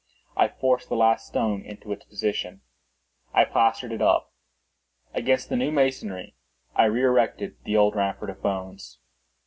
I forced the last stone into its position; I plastered it up. Against the new masonry I re erected the old rampart of bones.